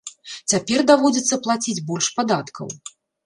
Цяпер даводзіцца плаціць больш падаткаў.